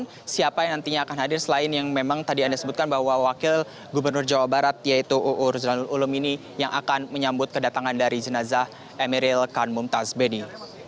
kemudian siapa yang nantinya akan hadir selain yang memang tadi anda sebutkan bahwa wakil gubernur jawa barat yaitu uu ruzanul ulum ini yang akan menyambut kedatangan dari jenazah emeril khan mumtazbeni